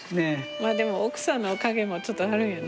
でも奥さんのおかげもちょっとあるんやね。